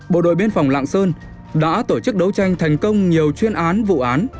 bộ đội biên phòng lạng sơn đã tổ chức đấu tranh thành công nhiều chuyên án vụ án